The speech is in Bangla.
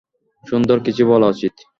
সুন্দর কিছু বলা উচিত।